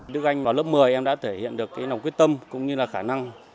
đức anh vào lớp một mươi em đã thể hiện được cái nồng quyết tâm cũng như là khả năng